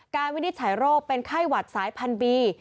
วินิจฉัยโรคเป็นไข้หวัดสายพันธี